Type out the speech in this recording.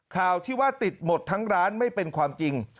ข่าวที่ว่าติดหมดทั้งร้านไม่เป็นความจริง